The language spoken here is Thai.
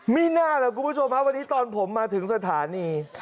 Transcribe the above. ไม่น่าหรอกคุณผู้ชมฮะวันนี้ตอนผมมาถึงสถานี